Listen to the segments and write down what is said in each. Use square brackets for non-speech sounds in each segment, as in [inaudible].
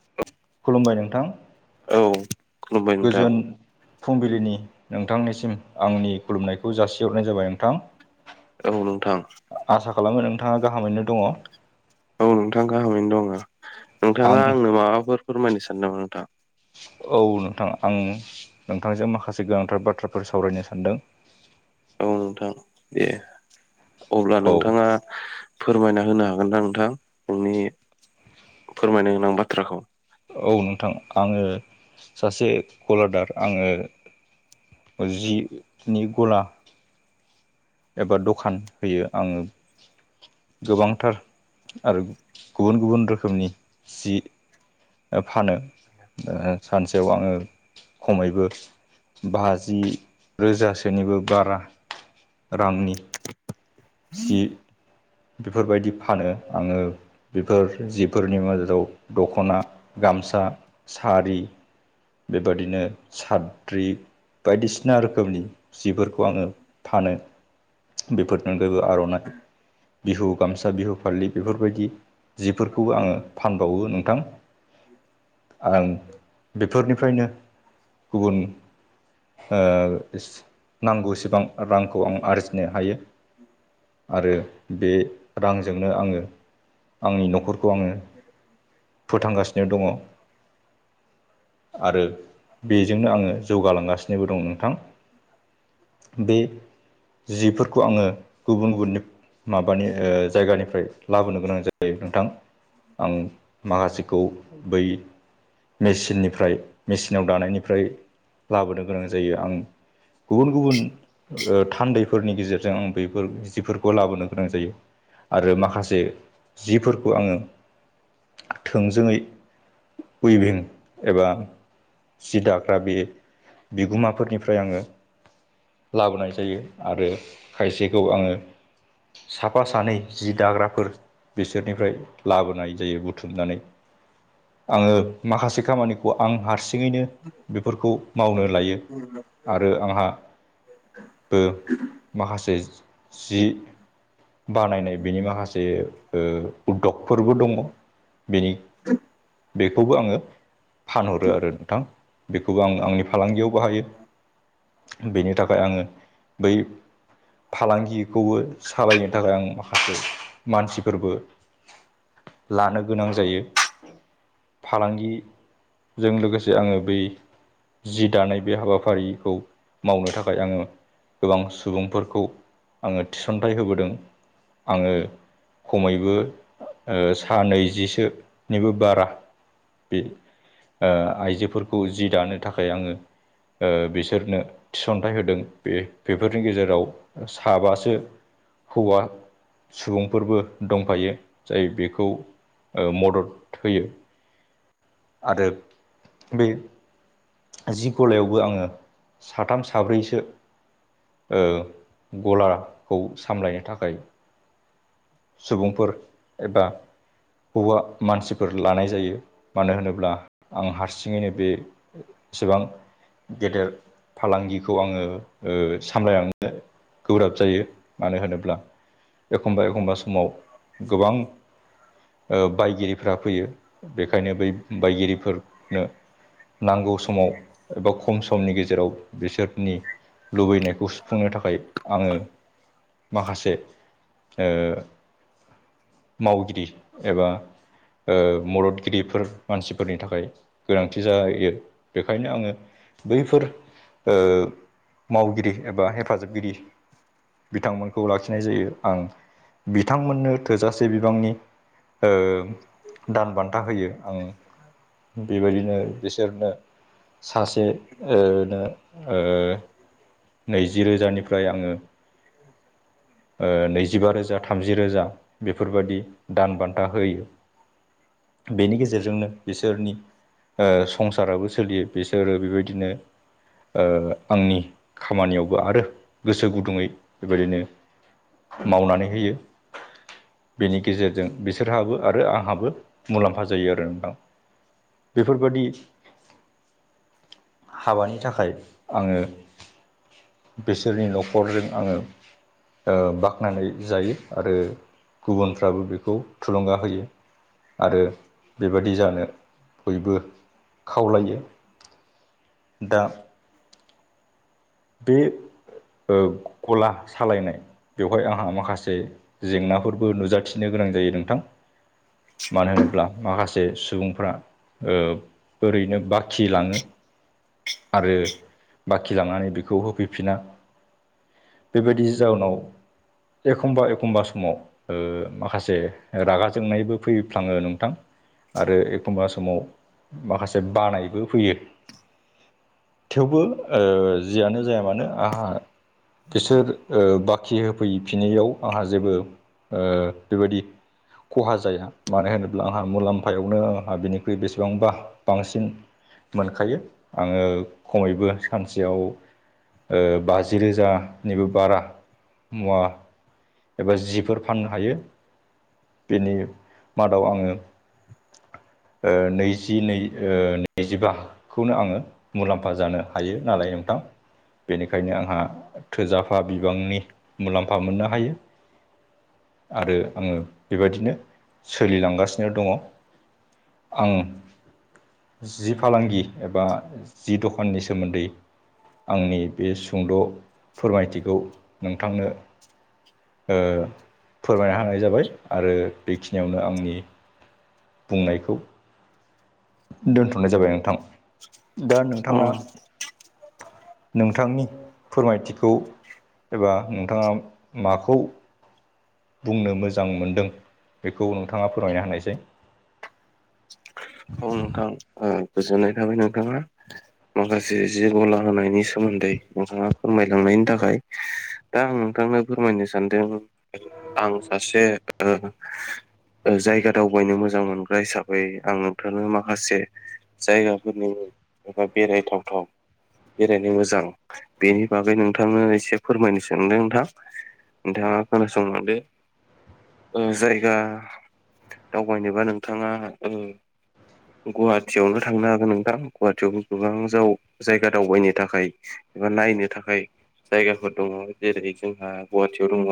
[inaudible] खुलुमबाय नोंथां। औ। खुलुमबाय नोंथां गोजोन फुंबिलिनि नोंथांनिसिम आंनि खुलुमनायखौ जासिहरनाय जाबाय नोंथां। औ नोंथां। आसा खालामो नोंथाङा गाहामैनो दङ। औ नोंथां गाहामैनो दङ आं नोंथाङा आंनो माबाफोर फोरमायनो सानदों नामा नोंथां? औ नोंथां आं नोंथांजों माखासे गोनांथार बाथ्राफोर सावरायनो सानदों। औ नोंथां दे अब्ला औ नोंथाङा फोरमायना होनो हागोनदां नोंथां नोंनि फोरमायनो गोनां बाथ्राखौ औ नोंथां आङो सासे गलादार आङो ओ जि नि गला एबा दखान होयो आङो गोबांथार आरो गुबुन गुबुन रोखोमनि जि फानो ओ सानसेयाव आङो खमैबो बाजि रोजासोनिबो बारा रांनि जि बेफोरबायदि फानो आङो बेफोर जिफोरनि माजाराव दखना गामसा सारि बेबादिनो साद्रि बायदिसिना रोखोमनि जिफोरखौ आङो फानो। बेफोरनि अनगायैबो आरनाइ बिहु गामसा बिहु फालि बेफोरबायदि जिफोरखौबो आङो फानबावो नोंथां। आं बेफोरनिफ्रायनो गुबुन ओ नांगौसिबां रांखौ आं आरजिनो हायो। आरो बे रांजोंनो आङो आंनि न'खरखौ आङो फोथांगासिनो दङ। आरो बेजोंनो आङो जौगालांगासिनोबो दं नोंथां। बे जिफोरखौ आङो गुबुन गुबुननि माबानि ओ जायगानिफ्राय लाबोनो गोनां जायो नोंथां। आं माखासेखौ बै मेसिननि निफ्राय मेचिनाव दानायनिफ्राय लाबोनो गोनां जायो। आं गुबुन गुबुन ओ थान्दैफोरनि गेजेरजों आं बेफोर जिफोरखौ लाबोनो गोनां जायो। आरो माखासे जिफोरखौ आङो थोंजोङै उइभिं एबा जि दाग्रा बे बिगुमाफोरनिफ्राय आङो लाबोनाय जायो आरो खायसेखौ आङो साफा सानै जि दाग्राफोर बिसोरनिफ्राय लाबोनाय जायो बुथुमनानै। आङो माखासे खामानिखौ आं हारसिङैनो बेफोरखौ मावनो लायो। [inaudible] आरो आंहाबो माखासे जि बानायनाय बिनि माखासे ओ उदगफोरबो दङ बेनि बेखौबो आङो फानहरो आरो नोंथां। बेखौबो आं आंनि फालांगियाव बाहायो बेनि थाखाय आङो बै फालांगिखौबो सालायनो थाखाय आं माखासे मानसिफोरबो लानो गोनां जायो फालांगि जों लोगोसे आङो बै जि दानाय बे हाबाफारिखौ मावनो थाखाय आङो गोबां सुबुंफोरखौ आङो थिसनथाइ होबोदों। आङो खमैबो ओ सा नैैजिसोनिबो बारा बे ओ आइजोफोरखौ जि दानो थाखाय आङो ओ बिसोरनो थिसनथाइ होदों बे बेफोरनि गेजेराव साबासो हौवा सुबुंफोरबो दंफायो जाय बेखौ ओ मदद होयो आरो बे जि गलायावबो आङो साथाम साब्रैसो ओ गलाखौ सामलायनो थाखाय सुबुंफोर एबा हौवा मानसिफोर लानाय जायो मानो होनोब्ला आं हारसिङैनो बे एसेबां गेदेर फालांगिखौ आङो ओ सामलायलांनो गोब्राब जायो मानो होनोब्ला एखमबा एखमबा सम समाव गोबां ओ बायगिरिफ्रा फैयो बेखायनो बै बायगिरिफोरनो नांगौ समाव एबा खम समनि गेजेराव बिसोरनि लुबैनायखौ सुफुंनो थाखाय आङो माखासे ओ मावगिरि एबा ओ मददगिरिफोर मानसिफोरनि थाखाय गोनांथि जाहायो बेखायनो आङो बैफोर ओ मावगिरि एबा हेफाजाबगिरि बिथांमोनखौ लाखिनाय जायो आं बिथांमोननो थोजासे बिबांनि ओ दान बान्था होयो। आं बेबायदिनो बिसो सोरनो सासे ओ नो ओ नैजि रोजानिफ्राय आङो ओ नैजिबा रोजा थामजि रोजा बेफोरबायदि दान बान्था होयो। बेनि गेजेरजोंनो बिसोरनि ओ संसाराबो सोलियो बिसोरो बेबायदिनो ओ आंनि खामानियावबो आरो गोसो गुदुङै बेबायदिनो मावनानै होयो। बेनि गेजेरजों बिसोरहाबो आरो आंहाबो मुलाम्फा जायो आरो नोंथां। बेफोरबायदि हाबानि थाखाय आङो बिसोरनि न'खरजों आङो ओ बाख्नानै जायो आरो गुबुनफ्राबो बेखौ थुलुंगा होयो। आरो बेबादि जानो बयबो खावलायो। दा बे ओ गला सालायनाय बेवहाय आंहा माखासे जेंनाफोरबो नुजाथिनो गोनां जायो नोंथां ‌। मानो होनोब्ला माखासे सुबुंफ्रा ओ ओरैनो बाखिलाङो आरो बाखि लांनानै बेखौ होफैफिना। बेबायदिनि जाउनाव एखमबा एखमबा समाव ओ माखासे रागा जोंनायबो फैफ्लाङो नोंथां। आरो एखमबा समाव माखासे बानायबो फैयो ‌। थेवबो ओ जियानो जाया मानो आंहा बिसोर ओ बाख खि होफैफिनायाव आंहा जेबो ओ बेबायदि खहा जाया मानो होनोब्ला आंहा मुलाम्फायावनो आंहा बिनिख्रुइ बेसेबांबा बांसिन मोनखायो आङो खमैबो सानसेयाव ओ बाजि रोजानिबो बारा मुवा एबा जिफोर फाननो हायो बेनि मादाव आङो ओ नैजि नै नैजिबा खौनो आङो मुलाम्फा जानो हायो नालाय नोंथां ‌। बेनिखायनो आंहा थोजाफा बिबांनि मुलाम्फा मोननो हायो। आरो आङो बेबायदिनो सोलिलांगासिनो दङ। आङो जि फालांगि एबा जि दखाननि सोमोन्दै आंनि बे सुंद' फोरमायथिखौ नोंथांनो ओ फोरमायना हानाय जाबाय आरो बेखिनियावनो आंनि बुंनायखौ दोन्थ'नाय जाबाय नोंथां। दा अ नोंथाङा नोंथांनि फोरमायथिखौ एबा नोंथाङा माखौ बुंनो मोजां मोनदों बेखौ नोंथाङा फोरमायना होनायसाय। बुं नोंथां ओ गोजोननाय थाबाय नोंथाङा माखासे जि गला होनायनि सोमोन्दै नोंथाङा फोरमायलांनायनि थाखाय। दा आं नोंथांनो फोरमायनो सानदों आं सासे ओ जायगा दावबायनो मोजां मोनग्रा हिसाबै आं नोंथांनो माख माखासे जायगाफोरनि म एबा बेरायथावथाव बेरायनो मोजां बेनि बागै नोंथांनो एसे फोरमायनो सानदों नोंथां। नोंथाङा खोनासंलांदो। ओ जायगा दावबायनोबा नोंथाङा औ। गुवाहाटियावनो थांनो हागोन नोंथां। गुवाहाटियावबो गोबां जाव-जायगा दावबायनो थाखाय एबा नायनो थाखाय जायगाफोर दङ जेरै जोंहा गुवाहाटियाव दङ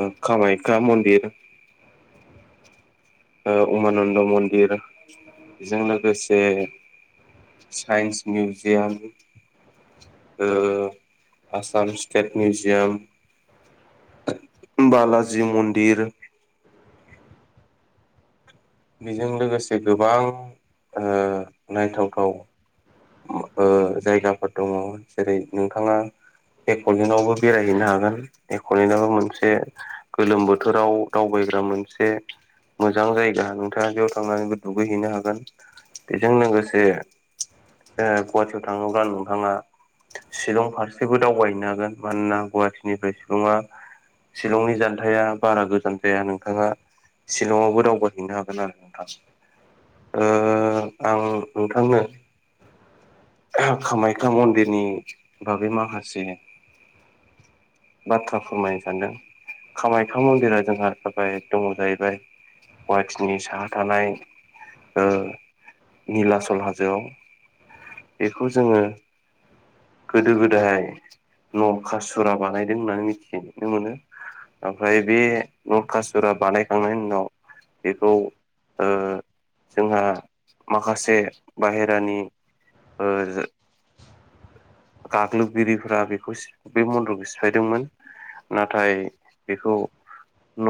ओ कामाय्खा मन्दिर ओ उमानन्द मन्दिर बेजों लोगोसे साइन्स मिउजियाम ओ आसाम स्टेट मिउजियाम ओ बालाजि मन्दिर बेजों लोगोसे गोबां नायथावथाव ओ जायगाफोर दङ जेरै नोंथाङा एकलेन्डआवबो बेरायहैनो हागोन एकलेन्डआबो मोनसे गोलोम बोथोराव दावबायग्रा मोनसे मोजां जायगा न बा बेयाव थांनानैबो दुगैहैनो हागोन। बेजों लोगोसे ओ गुवाहाटियाव थाङोब्ला नोंथाङा शिलं फारसेबो दावबायनो हागोन। मानोना गुवाहाटिनिफ्राय शिलंआ शिलंनि जानथाया बारा गोजान जाया नोंथाङा शिलंआवबो दावबाय हैैनो हागोन। नोंथां ओ आं नोंथांनो कामाख्या मन्दिरनि बागै माखासे बाथ्रा फोरमायनो सानदों। कामाख्या मन्दिरा जोंहा जाबाय दङ जाहैबाय। सिनि साहा थानाय ओ निलासल हाजोआव। बेखौ जोङो गोदो गोदाय न'रकासुरा बानायदों होननानै मिथिनो मोनो। ओमफ्राय बे नरकासुरा बानायखांनायनि उनाव बेखौ ओ जोंहा माखासे बाहेरानि ओ जो गाग्लोबगिरिफोरा बेखौ सि बे मन्दरखौ सिफायदोंमोन। नाथाय बेखौ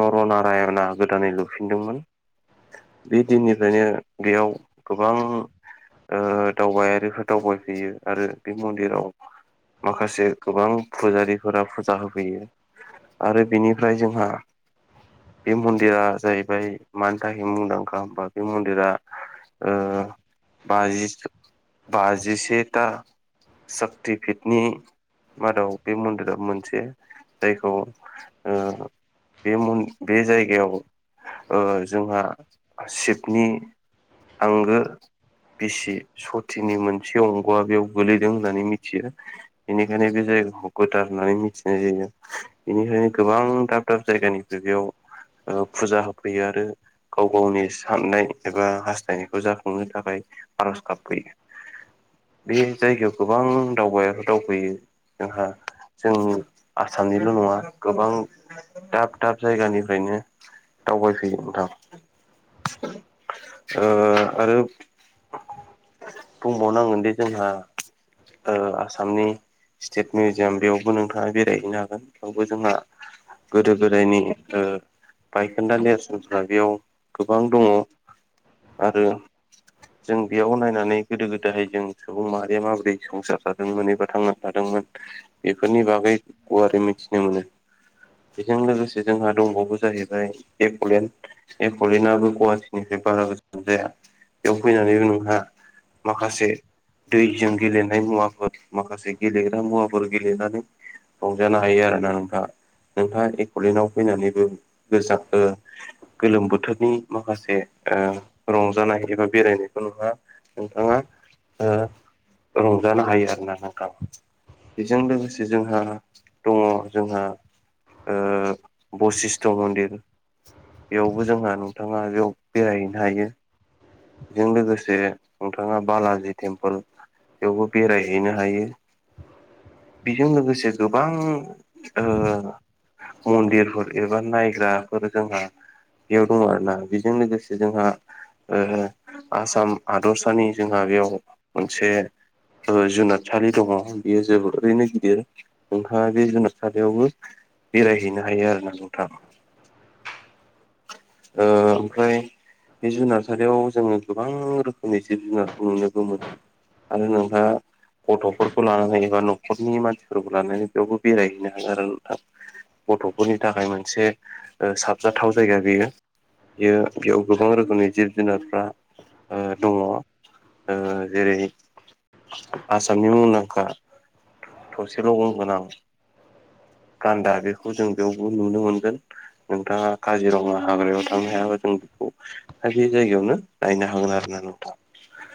नर'नारायना गोदानै लुफिनदोंमोन। बे दिननिफ्रायनो बेयाव गोबां ओ दावबायारिफोर दावबायफैयो आरो बे मन्दिराव। माखासे गोबां फुजारिफोरा फुजा होफैयो। आरो बिनिफ्राय जोंहा बे मन्दिरा जाहैबाय मानि थाखाय मुंदांखा होमबा बे मन्दिरा ओ बाजिसे बाजिसेथा सक्तिपितनि मादाव बे मन्दिरा मोनसे। जायखौ ओ बे मन बे जायगायाव ओ जोंहा सिबनि आंगो बिसि सतनि मोनसे अंग'आ बेयाव गोलैदों होननानै मिथियो बेनिखायनो बे जायगाखौ गोथार होननानै मिथिनाय जायो। बेनिखायनो गोबां दाब दाब जायगानिफ्राय बेयाव ओ फुजा होफैयो आरो गाव गावनि साननाय एबा हास्थायनायखौ जाफुंनो थाखाय आर'ज गाबबोयो बे जायगायाव गोबां दावबायफोर दावफैयो जोंहा जोंनि आसामनिल' नङा गोबां थाब थाब जायगानिफ्रायनो दावबायफैयो नोंथां ओ आरो बुंबावनांगोनदि जोंहा ओ आसामनि स्टेट मिउजियाम बेयावबो नोंथाङा बेरायहैनो हागोन थवबो जोंहा गोदो गोदायनि ओ कदा नेेरसेलफ्रा बेयाव गोबां दङ आरो जों बेयाव नायनानै गोदो गोदाय जों सुबुं माहारिया माबोरै संसार ज जादों मोनहैबा थांनो हादोंमोन बेफोरनि बागै गुवारै मिथिनो मोनो। बेजों लोगोसे जोंहा दंबावो जाहैबाय एप'लेनाबबो गुवाहाटिनिफ्राय बारा गोजान जाया। बेयाव फैनानैबो नोंहा माखासे दैजों गेलेनाय मुवाफोर माखासे गेलेग्रा मुवाफोर गेलेनानै रंजानो हायो आरोना नोंथाङा नोंथाङा एक'लडआव फैनानैबो गोजां ओ गोलोम बोथोरनि माखासे ओ रंजानाय एबा बेरायनायखौ नोंहा नोंथाङा ओ रंजानो हायो आरोना नोंथाङा बेजों लोगोसे जोंहा दङ जोंहा बसिसथ' मन्दिर बेयावबो जोंहा नोंथाङा बेयाव बेरायहैनो हायो। बेजों लोगोसे नोंथाङा बालाजि टेम्पोल बेवबो बेरायहैनो हायो बिजों लोगोसे गोबां ओ मन्दिरफोर एबा नायग्रा फोर जोंहा बेयाव दङ आरो ना बेजों लोगोसे जोंहा आसाम हादरसानि जोंहा बेयाव मोनसे ओ जुनादसालि दङ बेयो जोबोरैनो गिदिर नोंथाङा बे जुनादसालियावबो बेरायहैनो हायो आरोना नोंथाङा ओ ओमफ्राय बे जुनार सारियाव जोङो गोबां रोखोमनि जिब-जुनारखौ नुनोबो मोनो। आरो नोंहा गथ'फोरखौ लानानै एबा न'खरनि मानसिफोरखौ लानानै बेयावबो बेरायहैनो हागोन आरो नोंथां। गथ'फोरनि थाखाय मोनसे ओ साबजाथाव जायगा बेयो बियो बेयाव गोबां रोखोमनि जिब-जुनारफ्रा ओ दङ। ओ जेरै आसामनि मुंदांखा थसेल' गंगोनां गान्दा बेखौ जों बेयावबो नुनो मोनगोन नोंथाङा काजिरङा हाग्रायाव थांनो हायाबा जों बेखौसे जायगायावनो नायनो हागोन आरो ना नोंथां